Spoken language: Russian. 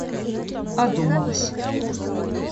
Одумалась.